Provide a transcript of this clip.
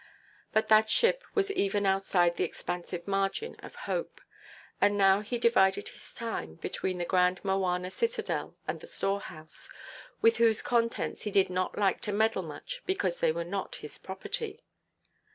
But that ship was even outside the expansive margin of hope. And now he divided his time between his grand mowana citadel and the storehouse, with whose contents he did not like to meddle much, because they were not his property.